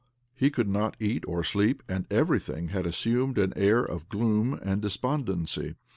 He could not eat or sleep, and everything had assumed an air of gloom and despondency.